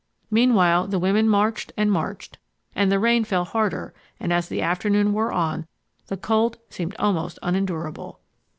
Meanwhile the women marched and marched, and the rain fell harder and as the afternoon wore on the cold seemed almost unendurable.